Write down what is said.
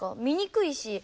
見にくいし。